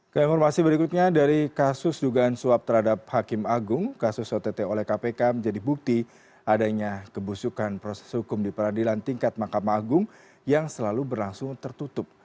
keinformasi berikutnya dari kasus dugaan suap terhadap hakim agung kasus ott oleh kpk menjadi bukti adanya kebusukan proses hukum di peradilan tingkat mahkamah agung yang selalu berlangsung tertutup